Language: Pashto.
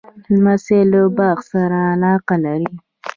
لمسی له باغ سره علاقه لري.